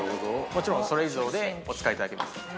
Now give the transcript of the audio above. もちろんそれ以上でお使い頂けます。